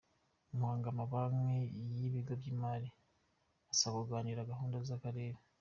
Muhanga Amabanki n’ibigo by’imari birasabwa kunganira gahunda z’akarere